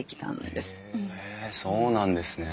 へえそうなんですね。